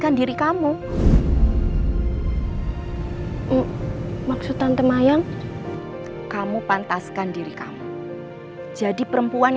aku sudah melakukan tugas kamu disini